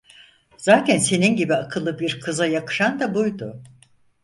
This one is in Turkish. Zaten senin gibi akıllı bir kıza yakışan da buydu…